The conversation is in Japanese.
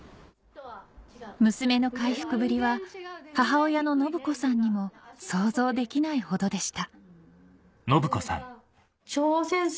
娘の回復ぶりは母親の信子さんにも想像できないほどでした